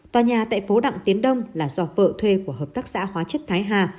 tòa nhà tại phố đặng tiến đông là do vợ thuê của hợp tác xã hóa chất thái hà